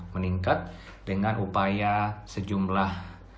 meningkat dengan upaya sejumlah